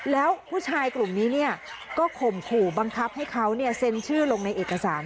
แล้วผู้ชายกลุ่มนี้ก็ข่มขู่บังคับให้เขาเซ็นชื่อลงในเอกสาร